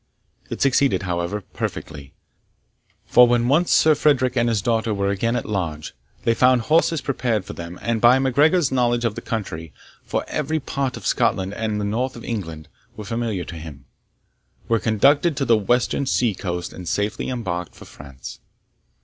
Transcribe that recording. It succeeded, however, perfectly; for when once Sir Frederick and his daughter were again at large, they found horses prepared for them, and, by MacGregor's knowledge of the country for every part of Scotland, and of the north of England, was familiar to him were conducted to the western sea coast, and safely embarked for France.